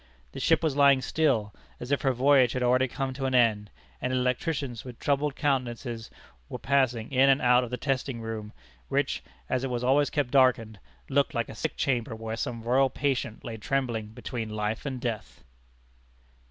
The ship was lying still, as if her voyage had already come to an end, and electricians, with troubled countenances, were passing in and out of the testing room, which, as it was always kept darkened, looked like a sick chamber where some royal patient lay trembling between life and death.